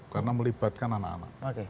karena melibatkan anak anak